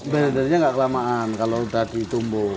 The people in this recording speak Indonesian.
blendernya tidak kelamaan kalau sudah ditumbuk